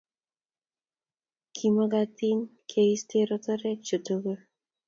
Ki makatin ke iste rotokek chu tugul